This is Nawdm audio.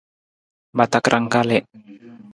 Ma takarang kalii.